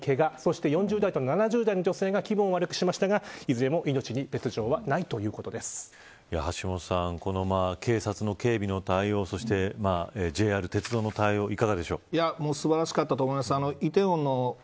そして４０代と７０代の女性が気分を悪くしましたがいずれも命に別条はない橋下さんこの警察の警備の対応そしてＪＲ、鉄道の対応素晴らしかったと思います。